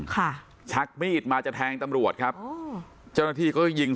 ชักมีดมาจะแทงตำรวจครับอ๋อเจ้าหน้าที่ก็ยิง